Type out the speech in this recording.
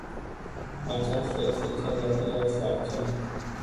Aceasta este cea de-a treia sarcină.